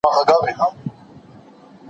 په ګرځېدو کي د چا عزت نه زیانمنېږي.